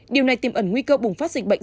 điều này tiêm ẩn nguy cơ bùng phát dịch bệnh